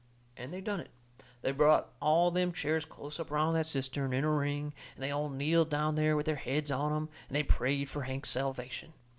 And they done it. They brought all them chairs close up around that cistern, in a ring, and they all kneeled down there, with their heads on 'em, and they prayed fur Hank's salvation.